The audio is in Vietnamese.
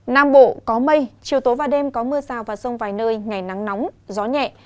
nam bộ có mây chiều tối và đêm có mưa rào và rông vài nơi ngày nắng nóng gió nhẹ